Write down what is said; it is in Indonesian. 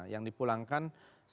yang dipulangkan satu ratus empat puluh